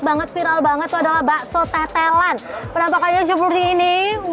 banget viral banget adalah bakso tetelan kenapa kayak seperti ini